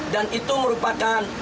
dan itu merupakan